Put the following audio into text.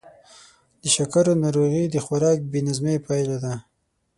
د شکرو ناروغي د خوراک د بې نظمۍ پایله ده.